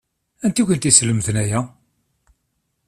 Anta i kent-yeslemden aya?